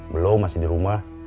belum masih di rumah